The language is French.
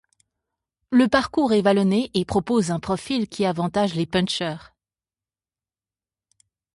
Le parcours est vallonné et propose un profil qui avantage les puncheurs.